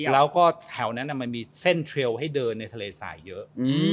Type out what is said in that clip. แล้วก็แถวนั้นมันมีเส้นเทรลให้เดินในทะเลสายเยอะ